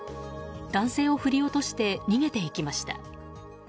男性を振り落として逃げていきました。